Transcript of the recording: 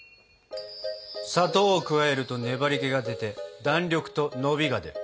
砂糖を加えると粘りけが出て弾力と伸びが出る。